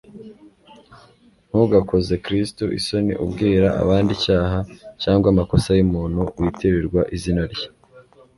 Ntugakoze Kristo isoni ubwira abandi icyaha cyangwa amakosa y'umuntu witirirwa izina rye.